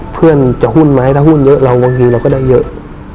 เพื่อนจะหุ้นไหมถ้าหุ้นเยอะเราบางทีเราก็ได้เยอะ